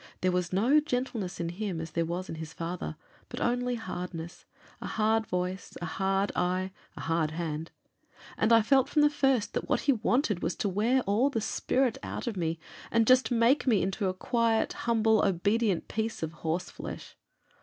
There was no gentleness in him, as there was in his father, but only hardness, a hard voice, a hard eye, a hard hand; and I felt from the first that what he wanted was to wear all the spirit out of me, and just make me into a quiet, humble, obedient piece of horseflesh.